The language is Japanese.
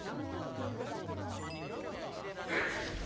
デク！